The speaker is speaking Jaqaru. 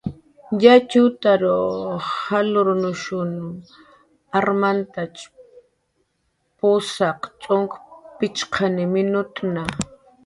Yatxutar jalurktn armant pusaq cxunk pichqani minutu.